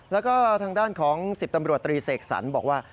แล้วก็ทางด้านของ๑๐ตำรวจตรีเสกสรรบอกว่า